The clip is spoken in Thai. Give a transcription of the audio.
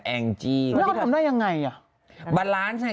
แล้วเขาทำได้ยังไง